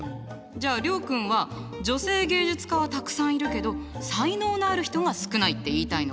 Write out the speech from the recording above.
じゃあ諒君は女性芸術家はたくさんいるけど才能のある人が少ないって言いたいのかな？